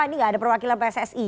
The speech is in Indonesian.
ini gak ada perwakilan pssi